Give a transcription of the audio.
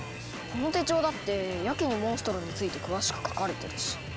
この手帳だってやけにモンストロについて詳しく書かれてるし。